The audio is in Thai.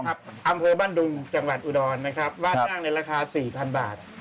อำเภอบ้านดุงจังหวัดอุดรนะครับว่าจ้างในราคา๔๐๐บาท